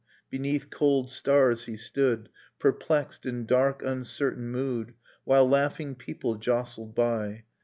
Beneath cold stars he stood, Perplexed, in dark uncertain mood. While laughing people jostled by.